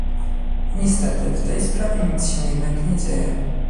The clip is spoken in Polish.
Niestety w tej sprawie nic się jednak nie dzieje